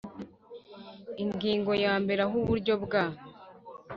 Ingingo ya mbere Aho Uburyo bwa